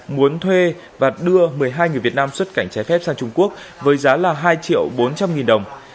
muốn thuê và đưa một mươi hai người việt nam xuất cảnh trái phép sang trung quốc với giá là hai triệu bốn trăm linh nghìn đồng